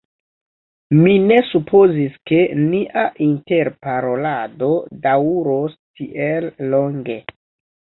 Mi ne supozis, ke nia interparolado daŭros tiel longe.